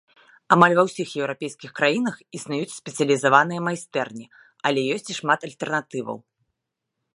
Амаль ва ўсіх еўрапейскіх краінах існуюць спецыялізаваныя майстэрні, але ёсць і шмат альтэрнатываў.